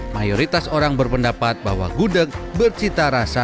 mayoritas orang berpendapat bahwa gudeg bercita rasa